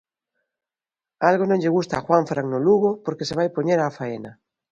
Algo non lle gusta a Juanfran no Lugo porque se vai poñer á faena.